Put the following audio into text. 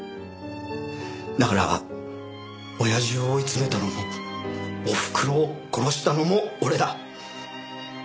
だから親父を追い詰めたのもおふくろを殺したのも俺だ。